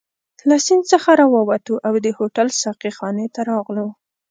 له سیند څخه راووتو او د هوټل ساقي خانې ته راغلو.